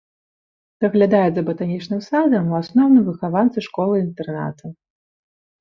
Даглядаюць за батанічным садам у асноўным выхаванцы школы-інтэрната.